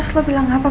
mbak ga tau